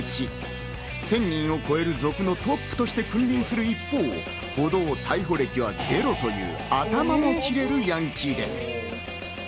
１０００人を超える族のトップとして君臨する一方、逮捕歴はゼロという頭の切れるヤンキーです。